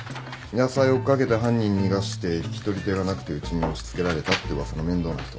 野菜追っ掛けて犯人逃がして引き取り手がなくてうちに押し付けられたって噂の面倒な人。